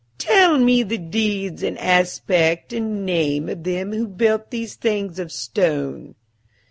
Tell me the deeds and aspect and name of them who built these things of stone."